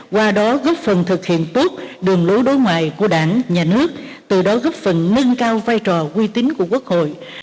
qua đó góp phần thực hiện tốt đường lối đối ngoại của đảng nhà nước từ đó góp phần nâng cao vai trò quy tính của quốc hội